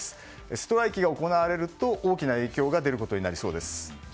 ストライキが行われると大きな影響が出ることになりそうです。